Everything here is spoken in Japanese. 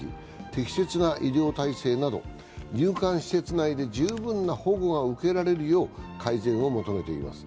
適切な医療体制など入管施設内で十分な保護が受けられるよう改善を求めています。